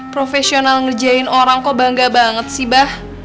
profesional ngerjain orang kok bangga banget sih bah